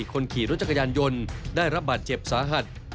คนขี่รถจักรยานยนต์ได้รับบาดเจ็บสาหัส